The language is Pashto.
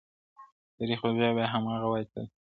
تاريخ بيا بيا هماغه وايي تل,